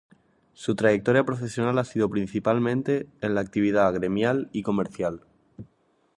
Su trayectoria profesional ha sido principalmente en la actividad gremial y comercial.